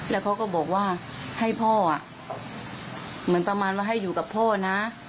แล้วเขาก็บอกว่าให้พ่อเหมือนประมาณว่าให้อยู่กับพ่อนะ